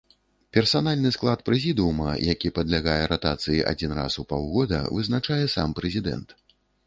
Персанальны склад прэзідыума, які падлягае ратацыі адзін раз у паўгода, вызначае сам прэзідэнт.